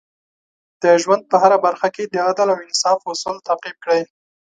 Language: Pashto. د ژوند په هره برخه کې د عدل او انصاف اصول تعقیب کړئ.